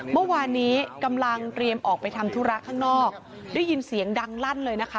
เมื่อวานนี้กำลังเตรียมออกไปทำธุระข้างนอกได้ยินเสียงดังลั่นเลยนะคะ